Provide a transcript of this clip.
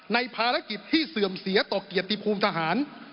ในภารกิจที่เสื่อมเสียต่อเกียรติภูมิทหาร